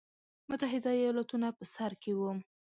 متحده ایالتونه په سر کې وو.